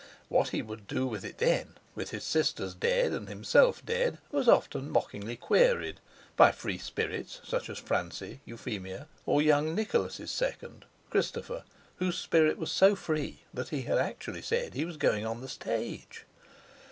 What he would do with it then, with his sisters dead and himself dead, was often mockingly queried by free spirits such as Francie, Euphemia, or young Nicholas' second, Christopher, whose spirit was so free that he had actually said he was going on the stage.